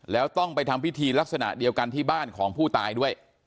แล้วต้องไปทำพิธีลักษณะเดียวกันที่บ้านของผู้ตายด้วย